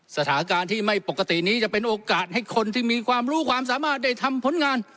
สถานการณ์ที่ไม่ปกตินี้จะเป็นโอกาสให้คนที่มีความรู้ความสามารถได้ทำผลงาน